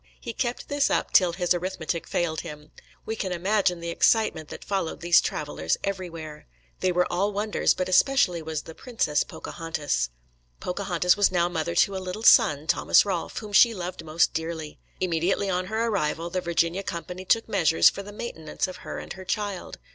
He kept this up till "his arithmetic failed him." We can imagine the excitement that followed these travellers everywhere. They were all wonders, but especially was the "Princess" Pocahontas. Pocahontas was now mother to a little son, Thomas Rolfe, whom she "loved most dearly." Immediately on her arrival the Virginia Company took measures for the maintenance of her and her child.